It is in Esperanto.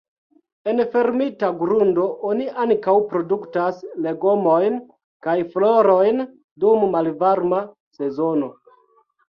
En fermita grundo oni ankaŭ produktas legomojn kaj florojn dum malvarma sezono.